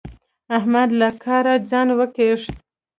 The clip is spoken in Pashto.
احمد له کاره ځان وکيښ.